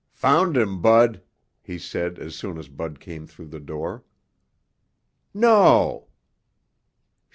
"Found him, Bud," he said as soon as Bud came through the door. "No!"